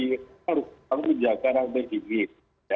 jadi harus menjaga rantai dingin